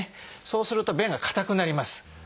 そうすると便が硬くなります。